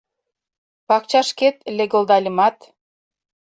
Пакчашкет легылдальымат -